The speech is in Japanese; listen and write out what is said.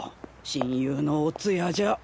親友のお通夜じゃ。